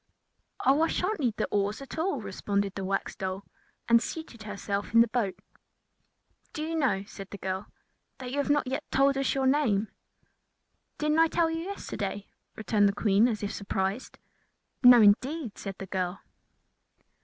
"Oh, I shall not need the oars at all," responded the Wax Doll, and seated herself in the boat. "Do you know," said the girl, "that you have not yet told us your name?" "Didn't I tell you yesterday?" returned the Queen, as if surprised. "No, indeed," said the girl.